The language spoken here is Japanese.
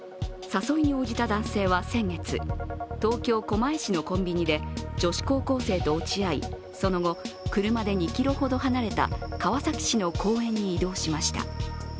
誘いに応じた男性は先月東京・狛江市のコンビニで女子高校生と落ち合い、その後、車で２ｋｍほど離れた川崎市の公園に移動しました。